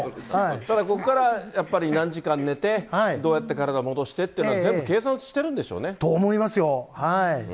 ただここからやっぱり何時間寝て、どうやって体戻してというのは、全部計算してるんでしょうね。